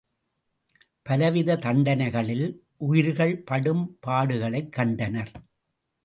பலவித தண்டனைகளில் உயிர்கள் படும் பாடுகளைக் கண்டனர்.